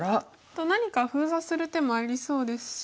と何か封鎖する手もありそうですし。